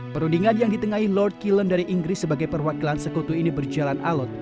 perundingan yang ditengahi lord killen dari inggris sebagai perwakilan sekutu ini berjalan alot